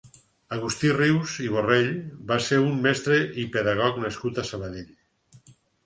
Agustí Rius i Borrell va ser un mestre i pedagog nascut a Sabadell.